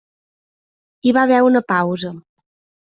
Hi va haver una pausa.